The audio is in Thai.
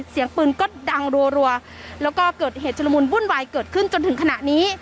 เสียงปืนก็ดังรัวแล้วก็เกิดเหตุชุลมุนวุ่นวายเกิดขึ้นจนถึงขณะนี้